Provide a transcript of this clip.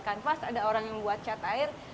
kanvas ada orang yang buat cat air